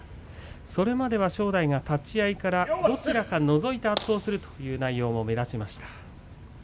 それまでは正代は立ち合いからどちらかのぞいて圧倒するという内容でした。